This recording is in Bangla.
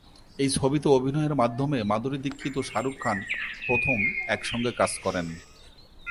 এই ছবিতে অভিনয়ের মাধ্যমে মাধুরী দীক্ষিত ও শাহরুখ খান প্রথম একসঙ্গে কাজ করেন।